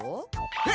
えっ！？